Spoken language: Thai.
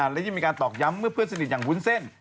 และยังมีการตอกย้ำเมื่อเพื่อนสนิทอย่างวุ้นเส้น